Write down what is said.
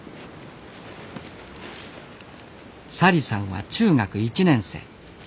小里さんは中学１年生。